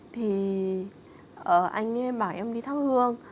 thì anh ấy bảo em đi thăm hương